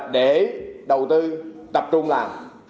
để đầu tư tập trung làm